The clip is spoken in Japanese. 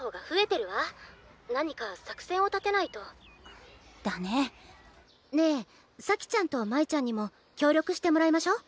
何か作戦を立てないと。だね。ねえ咲ちゃんと舞ちゃんにも協力してもらいましょ！